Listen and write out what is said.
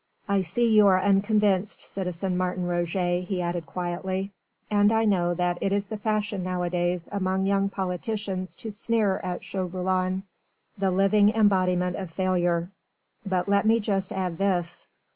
"I see you are unconvinced, citizen Martin Roget," he said quietly, "and I know that it is the fashion nowadays among young politicians to sneer at Chauvelin the living embodiment of failure. But let me just add this.